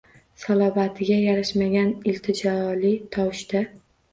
Salobatiga yarashmagan iltijoli tovushda: